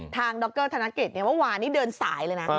ดรธนกิจเมื่อวานนี้เดินสายเลยนะ